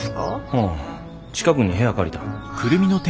うん近くに部屋借りた。